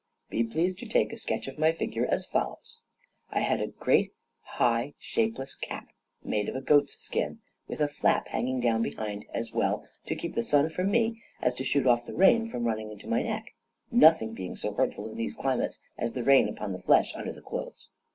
Be pleased to take a sketch of my figure, as follows: I had a great high shapeless cap, made of a goat's skin, with a flap hanging down behind, as well to keep the sun from me as to shoot the rain off from running into my neck, nothing being so hurtful in these climates as the rain upon the flesh under the clothes.